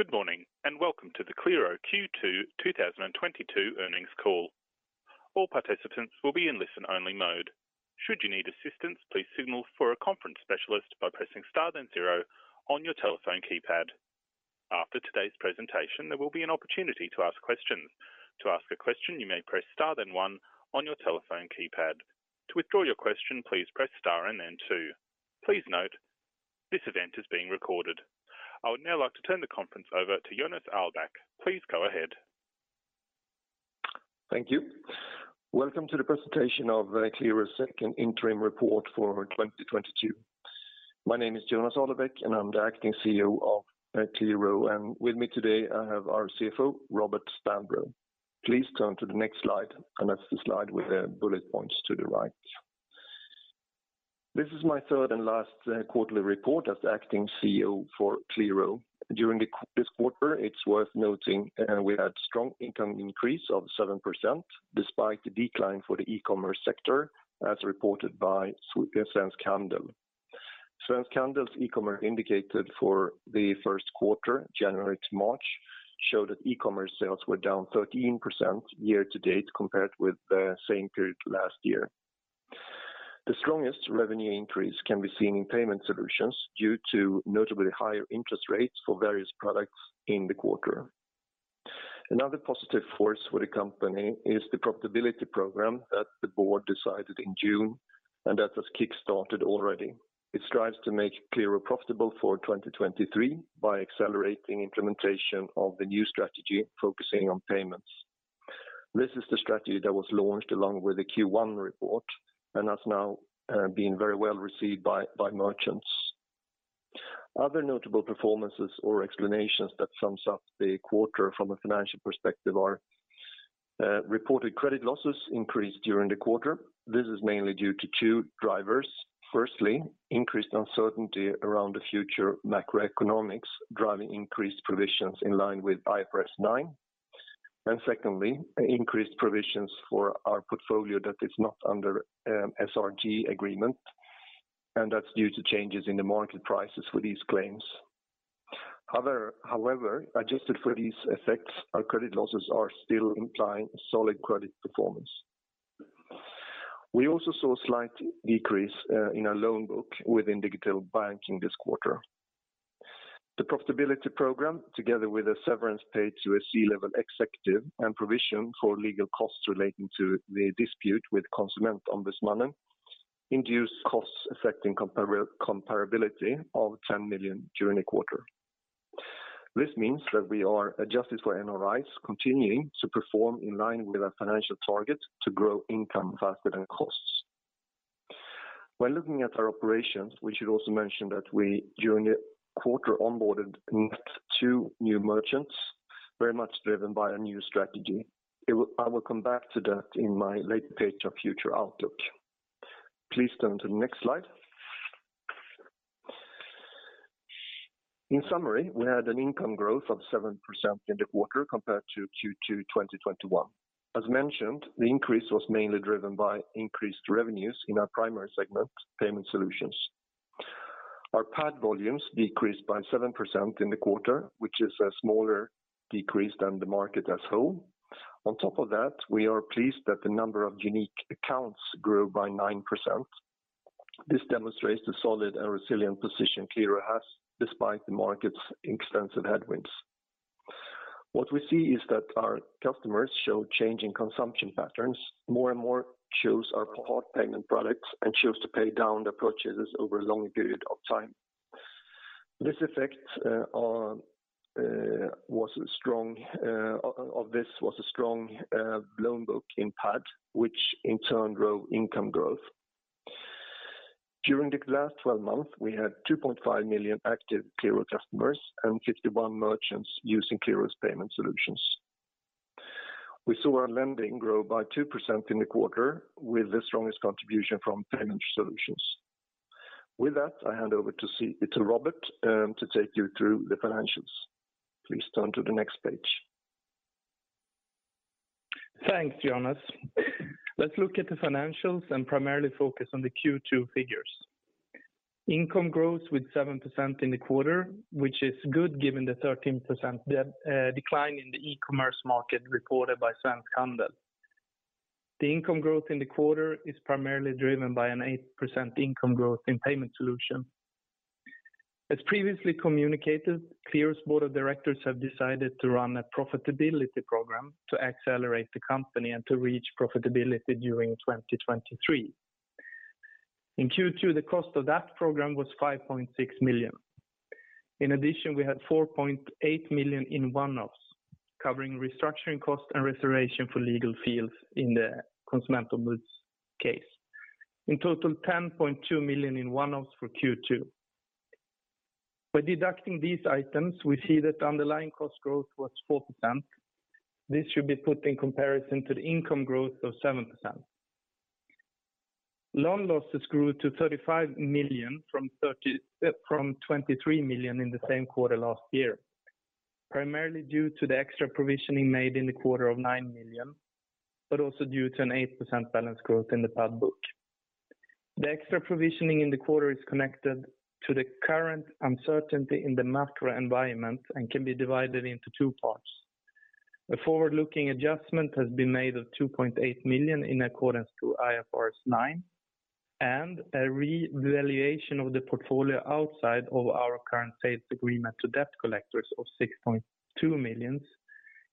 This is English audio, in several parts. Good morning, and welcome to the Qliro Q2 2022 Earnings Call. All participants will be in listen-only mode. Should you need assistance, please signal for a conference specialist by pressing star then zero on your telephone keypad. After today's presentation, there will be an opportunity to ask questions. To ask a question, you may press star then one on your telephone keypad. To withdraw your question, please press star and then two. Please note, this event is being recorded. I would now like to turn the conference over to Jonas Arlebäck. Please go ahead. Thank you. Welcome to the presentation of Qliro's Second Interim Report for 2022. My name is Jonas Arlebäck, and I'm the Acting CEO of Qliro. With me today, I have our CFO, Robert Stambro. Please turn to the next slide, and that's the slide with the bullet points to the right. This is my third and last quarterly report as the Acting CEO for Qliro. During this quarter, it's worth noting we had strong income increase of 7% despite the decline for the e-commerce sector as reported by Svensk Handel. Svensk Handel e-commerce indicated for the first quarter, January to March, showed that e-commerce sales were down 13% year-to-date compared with the same period last year. The strongest revenue increase can be seen in payment solutions due to notably higher interest rates for various products in the quarter. Another positive force for the company is the profitability program that the board decided in June and that was kickstarted already. It strives to make Qliro profitable for 2023 by accelerating implementation of the new strategy, focusing on payments. This is the strategy that was launched along with the Q1 report and has now been very well received by merchants. Other notable performances or explanations that sums up the quarter from a financial perspective are reported credit losses increased during the quarter. This is mainly due to two drivers. Firstly, increased uncertainty around the future macroeconomics driving increased provisions in line with IFRS 9, and secondly, increased provisions for our portfolio that is not under SRG agreement, and that's due to changes in the market prices for these claims. However, adjusted for these effects, our credit losses are still implying solid credit performance. We also saw a slight decrease in our loan book within digital banking this quarter. The profitability program, together with a severance paid to a C-level executive and provision for legal costs relating to the dispute with Konsumentombudsmannen, induced costs affecting comparability of 10 million during the quarter. This means that we are adjusted for NRIs continuing to perform in line with our financial target to grow income faster than costs. When looking at our operations, we should also mention that we, during the quarter, onboarded net two new merchants, very much driven by a new strategy. I will come back to that in my later page of future outlook. Please turn to the next slide. In summary, we had an income growth of 7% in the quarter compared to Q2 2021. As mentioned, the increase was mainly driven by increased revenues in our primary segment, payment solutions. Our PAD volumes decreased by 7% in the quarter which is a smaller decrease than the market as a whole. On top of that, we are pleased that the number of unique accounts grew by 9%. This demonstrates the solid and resilient position Qliro has despite the market's extensive headwinds. What we see is that our customers show change in consumption patterns. More and more choose our part payment products and choose to pay down their purchases over a long period of time. This effect was a strong loan book in PAD, which in turn grew income growth. During the last 12 months, we had 2.5 million active Qliro customers and 51 merchants using Qliro's payment solutions. We saw our lending grow by 2% in the quarter with the strongest contribution from payment solutions. With that, I hand over to Robert to take you through the financials. Please turn to the next page. Thanks, Jonas. Let's look at the financials and primarily focus on the Q2 figures. Income grows with 7% in the quarter, which is good given the 13% decline in the e-commerce market reported by Svensk Handel. The income growth in the quarter is primarily driven by an 8% income growth in payment solution. As previously communicated, Qliro's board of directors have decided to run a profitability program to accelerate the company and to reach profitability during 2023. In Q2, the cost of that program was 5.6 million. In addition, we had 4.8 million in one-offs, covering restructuring costs and reservation for legal fees in the Konsumentombudsmannen case. In total, 10.2 million in one-offs for Q2. By deducting these items, we see that underlying cost growth was 4%. This should be put in comparison to the income growth of 7%. Loan losses grew to 35 million from 23 million in the same quarter last year, primarily due to the extra provisioning made in the quarter of 9 million, but also due to an 8% balance growth in the PAD book. The extra provisioning in the quarter is connected to the current uncertainty in the macro environment and can be divided into two parts. A forward-looking adjustment has been made of 2.8 million in accordance to IFRS 9 and a revaluation of the portfolio outside of our current sales agreement to debt collectors of 6.2 million,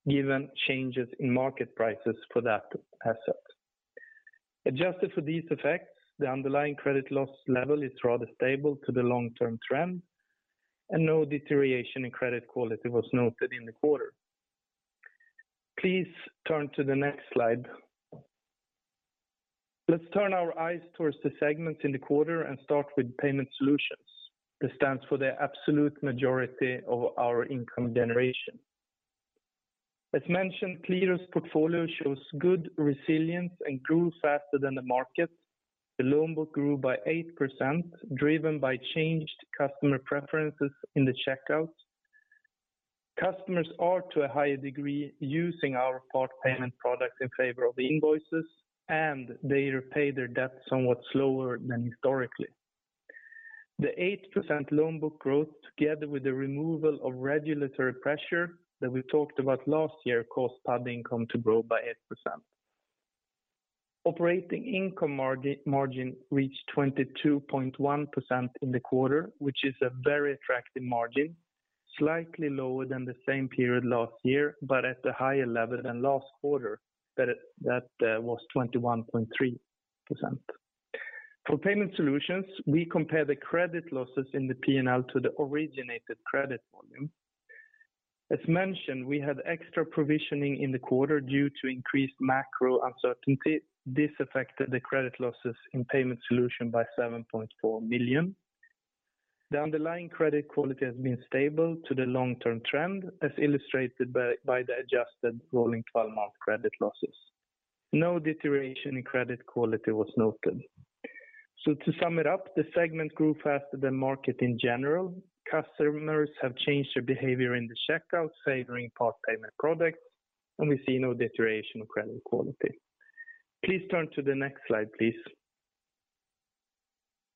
given changes in market prices for that asset. Adjusted for these effects, the underlying credit loss level is rather stable to the long-term trend and no deterioration in credit quality was noted in the quarter. Please turn to the next slide. Let's turn our eyes towards the segments in the quarter and start with payment solutions. This stands for the absolute majority of our income generation. As mentioned, Qliro's portfolio shows good resilience and grew faster than the market. The loan book grew by 8%, driven by changed customer preferences in the checkout. Customers are to a higher degree using our part payment product in favor of the invoices, and they repay their debt somewhat slower than historically. The 8% loan book growth together with the removal of regulatory pressure that we talked about last year caused PAD income to grow by 8%. Operating income margin reached 22.1% in the quarter, which is a very attractive margin, slightly lower than the same period last year, but at the higher level than last quarter that was 21.3%. For payment solutions, we compare the credit losses in the P&L to the originated credit volume. As mentioned, we had extra provisioning in the quarter due to increased macro uncertainty. This affected the credit losses in payment solution by 7.4 million. The underlying credit quality has been stable to the long-term trend, as illustrated by the adjusted rolling 12-month credit losses. No deterioration in credit quality was noted. To sum it up, the segment grew faster than market in general. Customers have changed their behavior in the checkout, favoring part payment products and we see no deterioration of credit quality. Please turn to the next slide, please.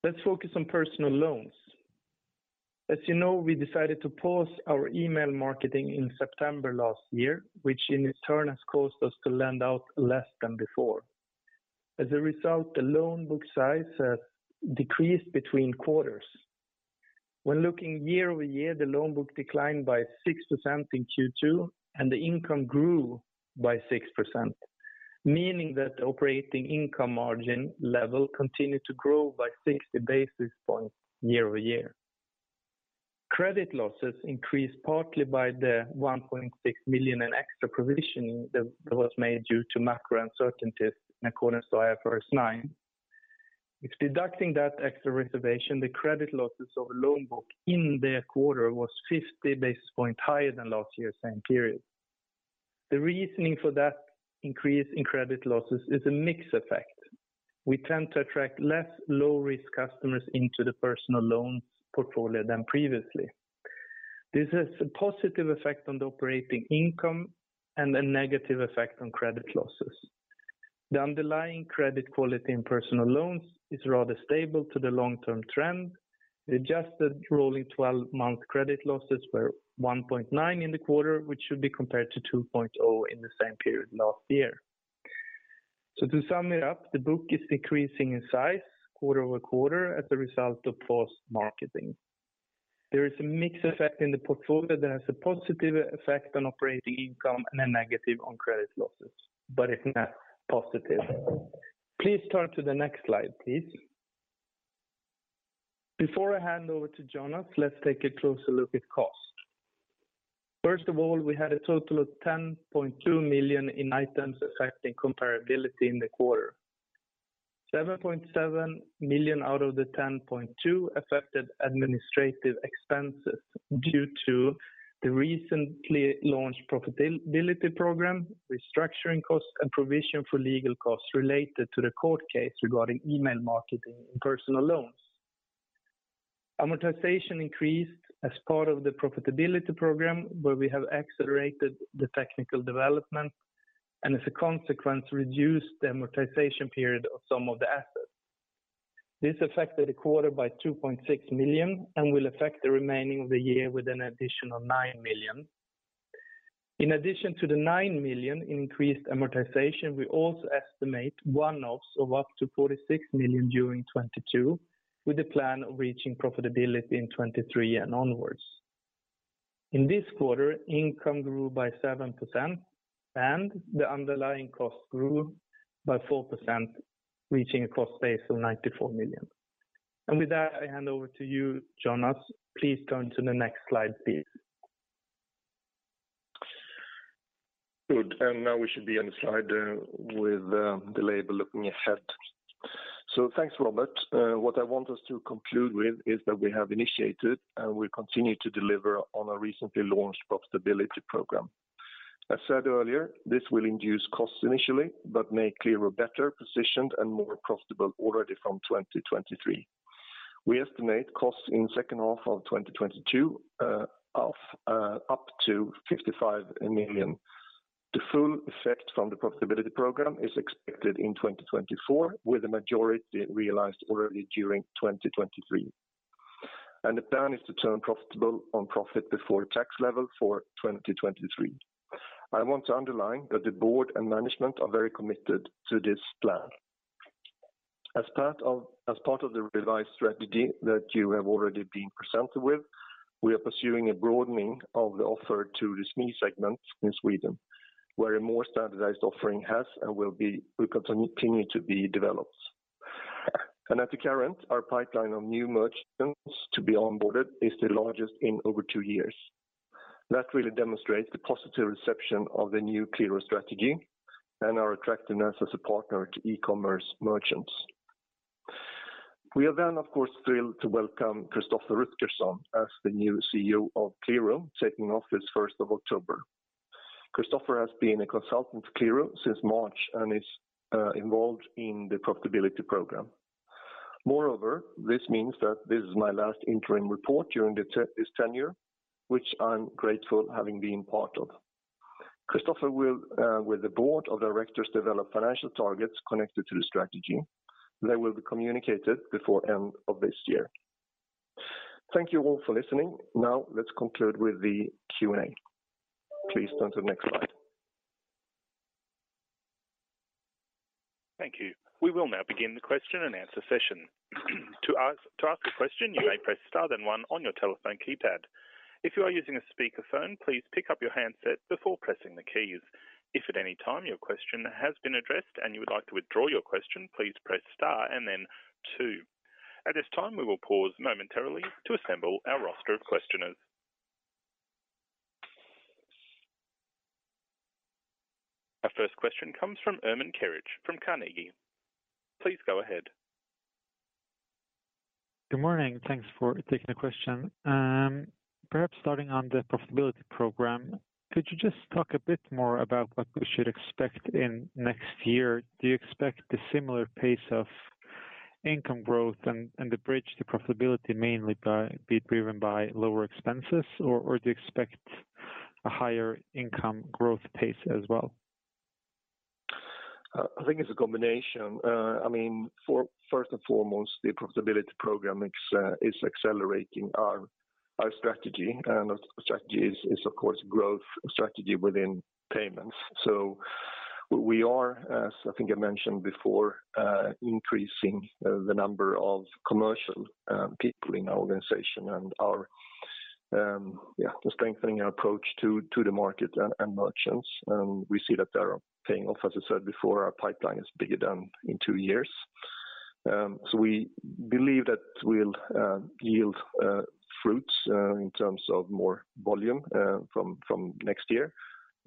Let's focus on personal loans. As you know, we decided to pause our email marketing in September last year, which in turn has caused us to lend out less than before. As a result, the loan book size has decreased between quarters. When looking year-over-year, the loan book declined by 6% in Q2, and the income grew by 6%, meaning that operating income margin level continued to grow by 60 basis points year-over-year. Credit losses increased partly by the 1.6 million in extra provisioning that was made due to macro uncertainties in accordance to IFRS 9. If deducting that extra provision, the credit losses of loan book in the quarter was 50 basis points higher than last year's same period. The reasoning for that increase in credit losses is a mix effect. We tend to attract less low-risk customers into the personal loans portfolio than previously. This has a positive effect on the operating income and a negative effect on credit losses. The underlying credit quality in personal loans is rather stable to the long-term trend. The adjusted rolling twelve-month credit losses were 1.9% in the quarter, which should be compared to 2.0% in the same period last year. To sum it up, the book is decreasing in size quarter-over-quarter as a result of post-marketing. There is a mix effect in the portfolio that has a positive effect on operating income and a negative on credit losses, but it's net positive. Please turn to the next slide, please. Before I hand over to Jonas, let's take a closer look at cost. First of all, we had a total of 10.2 million in items affecting comparability in the quarter. 7.7 million out of the 10.2 affected administrative expenses due to the recently launched profitability program, restructuring costs, and provision for legal costs related to the court case regarding email marketing and personal loans. Amortization increased as part of the profitability program, where we have accelerated the technical development and as a consequence, reduced the amortization period of some of the assets. This affected the quarter by 2.6 million and will affect the remaining of the year with an additional 9 million. In addition to the 9 million in increased amortization, we also estimate one-offs of up to 46 million during 2022, with the plan of reaching profitability in 2023 and onwards. In this quarter, income grew by 7% and the underlying cost grew by 4%, reaching a cost base of 94 million. With that, I hand over to you, Jonas. Please turn to the next slide, please. Good. Now we should be on the slide with the label looking ahead. Thanks, Robert. What I want us to conclude with is that we have initiated and we continue to deliver on our recently launched profitability program. As said earlier, this will induce costs initially but make clearer, better positioned and more profitable already from 2023. We estimate costs in second half of 2022 of up to 55 million. The full effect from the profitability program is expected in 2024 with the majority realized already during 2023. The plan is to turn profitable on profit before tax level for 2023. I want to underline that the board and management are very committed to this plan. As part of the revised strategy that you have already been presented with, we are pursuing a broadening of the offer to the SME segment in Sweden, where a more standardized offering has and will continue to be developed. Currently, our pipeline of new merchants to be onboarded is the largest in over two years. That really demonstrates the positive reception of the new Qliro strategy and our attractiveness as a partner to e-commerce merchants. We are, of course, thrilled to welcome Christoffer Rutgersson as the new CEO of Qliro, taking office first of October. Christoffer has been a consultant to Qliro since March and is involved in the profitability program. Moreover, this means that this is my last interim report during this tenure, which I'm grateful having been part of. Christoffer will, with the board of directors, develop financial targets connected to the strategy. They will be communicated before end of this year. Thank you all for listening. Now let's conclude with the Q&A. Please turn to the next slide. Thank you. We will now begin the question and answer session. To ask a question, you may press star then one on your telephone keypad. If you are using a speaker phone, please pick up your handset before pressing the keys. If at any time your question has been addressed and you would like to withdraw your question, please press star and then two. At this time, we will pause momentarily to assemble our roster of questioners. Our first question comes from Ermin Keric from Carnegie. Please go ahead. Good morning. Thanks for taking the question. Perhaps starting on the profitability program, could you just talk a bit more about what we should expect in next year? Do you expect a similar pace of income growth and the bridge to profitability mainly to be driven by lower expenses or do you expect a higher income growth pace as well? I think it's a combination. I mean, first and foremost, the profitability program is accelerating our strategy. Our strategy is of course growth strategy within payments. We are, as I think I mentioned before, increasing the number of commercial people in our organization and are, yeah, strengthening our approach to the market and merchants. We see that they are paying off. As I said before, our pipeline is bigger than in two years. We believe that will yield fruits in terms of more volume from next year.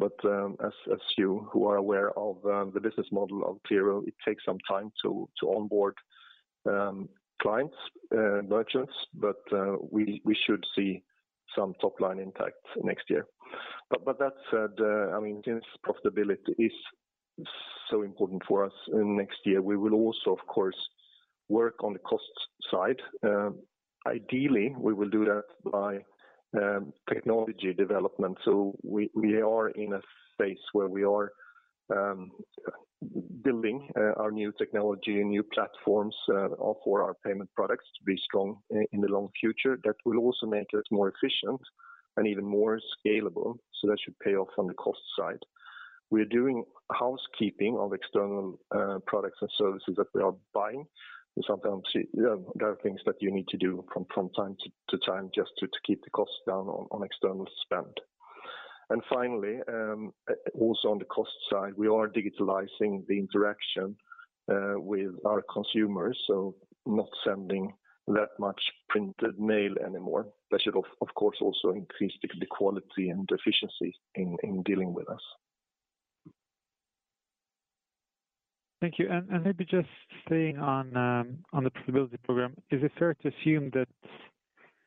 As you who are aware of the business model of Qliro, it takes some time to onboard clients, merchants, but we should see some top line impact next year. That said, I mean, profitability is so important for us in next year. We will also of course work on the cost side. Ideally we will do that by technology development. We are in a space where we are building our new technology and new platforms for our payment products to be strong in the long future. That will also make us more efficient and even more scalable. That should pay off on the cost side. We are doing housekeeping of external products and services that we are buying. We sometimes see there are things that you need to do from time to time just to keep the costs down on external spend. Finally, also on the cost side, we are digitalizing the interaction with our consumers, so not sending that much printed mail anymore. That should of course also increase the quality and efficiency in dealing with us. Thank you. Maybe just staying on the profitability program, is it fair to assume that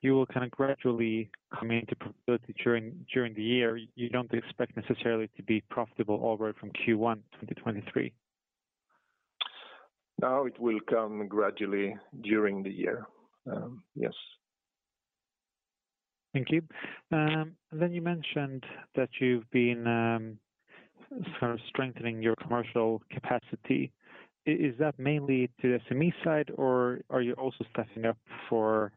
you will kind of gradually come into profitability during the year? You don't expect necessarily to be profitable already from Q1 2023? No, it will come gradually during the year. Yes. Thank you. You mentioned that you've been sort of strengthening your commercial capacity. Is that mainly to the SME side or are you also stepping up for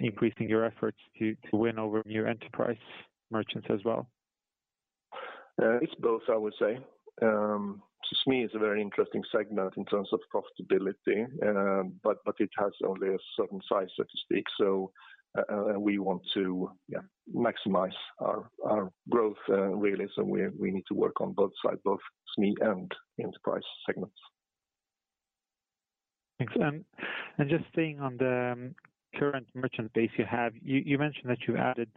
increasing your efforts to win over new enterprise merchants as well? It's both, I would say. SME is a very interesting segment in terms of profitability, but it has only a certain size, so to speak. We want to, yeah, maximize our growth, really. We need to work on both sides, both SME and enterprise segments. Thanks. Just staying on the current merchant base you have. You mentioned that you added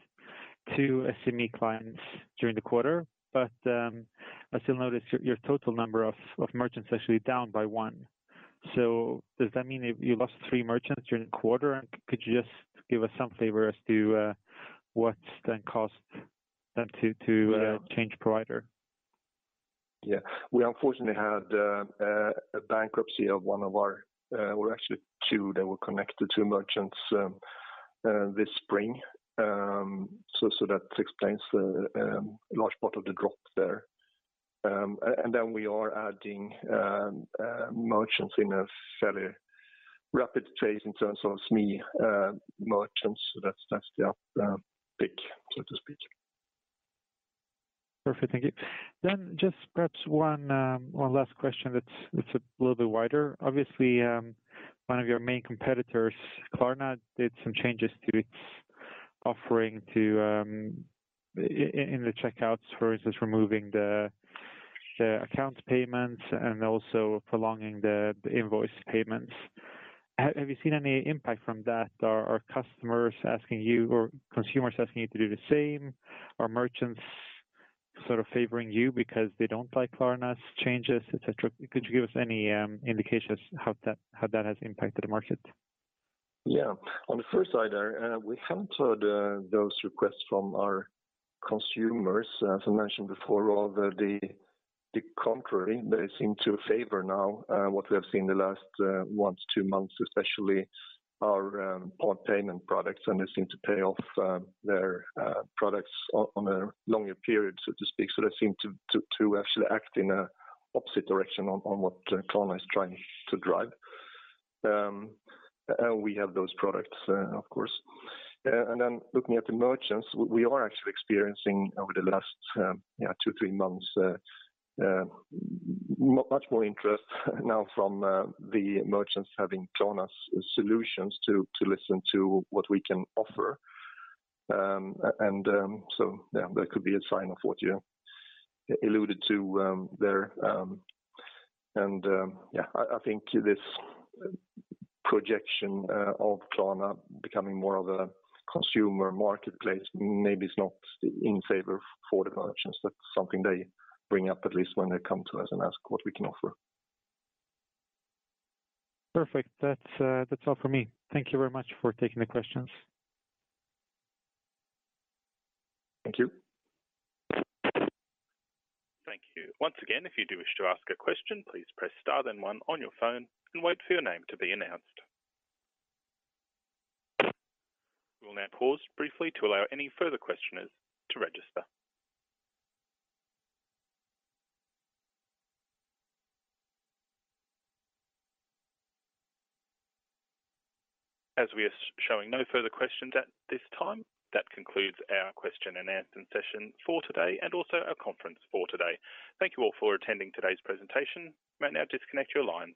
two SME clients during the quarter but I still notice your total number of merchants actually down by one. Does that mean you lost three merchants during the quarter? Could you just give us some flavor as to what's then caused them to change provider? Yeah. We unfortunately had a bankruptcy of one of our, or actually two that were connected to merchants this spring. That explains the large part of the drop there. Then we are adding merchants in a fairly rapid phase in terms of SME merchants. That's the uptick, so to speak. Perfect. Thank you. Just perhaps one last question that's a little bit wider. Obviously, one of your main competitors, Klarna, did some changes to its offering in the checkouts versus removing the account payments and also prolonging the invoice payments. Have you seen any impact from that? Are customers asking you or consumers asking you to do the same? Are merchants sort of favoring you because they don't like Klarna's changes, et cetera? Could you give us any indications how that has impacted the market? Yeah. On the first side, we haven't heard those requests from our consumers. As I mentioned before, rather the contrary, they seem to favor now what we have seen the last one to two months, especially our on payment products, and they seem to pay off their products on a longer period, so to speak. They seem to actually act in an opposite direction on what Klarna is trying to drive. We have those products, of course. Looking at the merchants, we are actually experiencing over the last, yeah, two to three months much more interest now from the merchants having Klarna's solutions to listen to what we can offer. That could be a sign of what you alluded to there. Yeah, I think this projection of Klarna becoming more of a consumer marketplace maybe is not in favor for the merchants. That's something they bring up, at least when they come to us and ask what we can offer. Perfect. That's all for me. Thank you very much for taking the questions. Thank you. Thank you. Once again, if you do wish to ask a question, please press star then one on your phone and wait for your name to be announced. We'll now pause briefly to allow any further questioners to register. As we are showing no further questions at this time, that concludes our question and answer session for today and also our conference for today. Thank you all for attending today's presentation. You may now disconnect your lines.